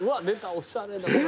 おしゃれなほら。